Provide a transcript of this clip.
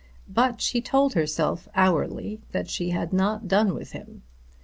But she told herself hourly that she had not done with him.